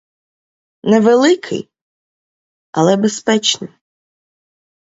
Не великий, але безпечний.